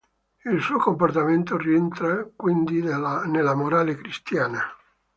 Il suo comportamento rientra quindi nella morale cristiana.